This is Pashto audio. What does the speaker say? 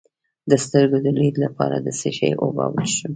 د سترګو د لید لپاره د څه شي اوبه وڅښم؟